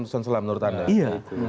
putusan selah menurut anda iya